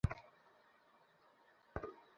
প্রথম দিন থেকেই তোমাকে খারাপ মানুষ মনে হয়েছে।